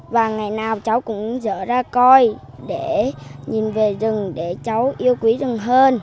và ngày nào cháu cũng dở ra coi để nhìn về rừng để cháu yêu quý rừng hơn